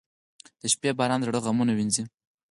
• د شپې باران د زړه غمونه وینځي.